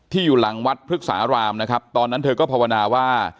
อยู่หลังวัดพฤกษารามนะครับตอนนั้นเธอก็ภาวนาว่า